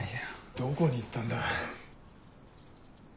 どこに行ったんだ？